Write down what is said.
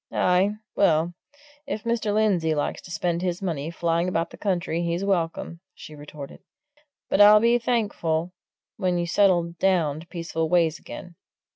"Aye, well, if Mr. Lindsey likes to spend his money flying about the country, he's welcome!" she retorted. "But I'll be thankful when you settle down to peaceful ways again.